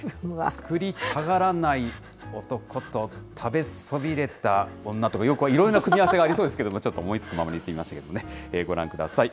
作りたがらない男と、食べそびれた女とか、いろいろな組み合わせがありそうですけど、ちょっと思いつくままに言ってしまいましたけれども、ご覧ください。